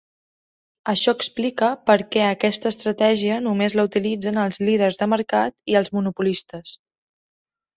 Això explica per què aquesta estratègia només la utilitzen els líders de mercat i els monopolistes.